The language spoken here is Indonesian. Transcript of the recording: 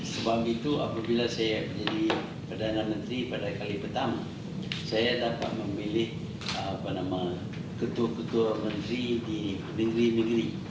sebab itu apabila saya menjadi perdana menteri pada kali pertama saya dapat memilih ketua ketua menteri di negeri negeri